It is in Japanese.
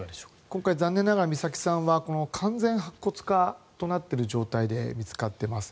今回、残念ながら美咲さんは完全白骨化となっている状態で見つかっています。